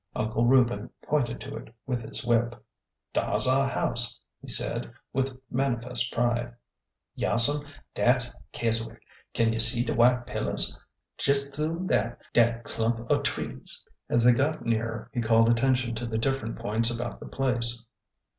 Uncle Reuben pointed to it with his whip. Dar ^s our house,'^ he said, with manifest pride. Yaas'm, dat's Keswick. Can you see de white pillars? Jes' thoo dat clump er trees. As they got nearer he called attention to the different points about the place.